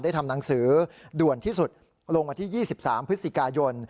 ทำหนังสือด่วนที่สุดลงวันที่๒๓พฤศจิกายน